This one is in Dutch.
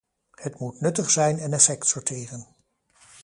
Het moet nuttig zijn en effect sorteren.